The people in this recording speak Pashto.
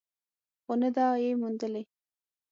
خو نه ده یې موندلې.